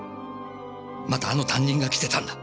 またあの担任が来てたんだ。